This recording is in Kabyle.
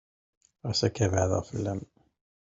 Xas akka beɛdeɣ fell-am.